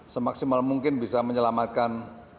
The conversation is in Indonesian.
semaksimal mungkin bisa menyelamatkan